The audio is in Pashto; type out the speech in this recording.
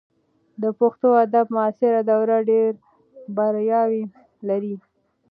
د پښتو ادب معاصره دوره ډېر بریاوې لري.